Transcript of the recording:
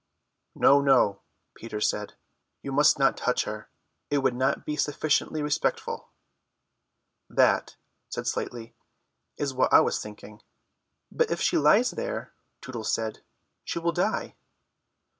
"No, no," Peter said, "you must not touch her. It would not be sufficiently respectful." "That," said Slightly, "is what I was thinking." "But if she lies there," Tootles said, "she will die."